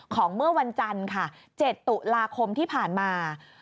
เมื่อวันจันทร์ค่ะ๗ตุลาคมที่ผ่านมา